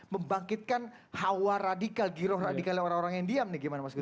membangkitkan hawa radikal giroh radikal yang orang orang yang diam nih gimana mas guter